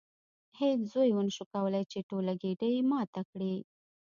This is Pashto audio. هیڅ زوی ونشو کولی چې ټوله ګېډۍ ماته کړي.